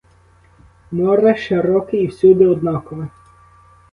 Море широке і всюди однакове.